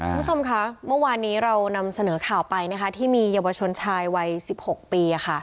คุณผู้ชมคะเมื่อวานนี้เรานำเสนอข่าวไปนะคะที่มีเยาวชนชายวัย๑๖ปี